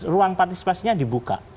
ruang partisipasinya dibuka